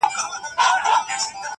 دا ناځوانه نور له كاره دى لوېــدلى,